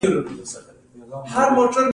د ونو کینول صدقه جاریه ده